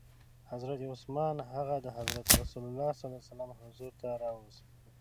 حضرت عثمان هغه د حضرت رسول ص حضور ته راووست.